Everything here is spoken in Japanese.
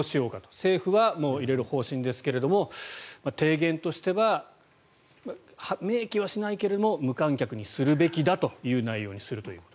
政府はもう入れる方針ですけども提言としては明記はしないけれども無観客にするべきだという内容にすると。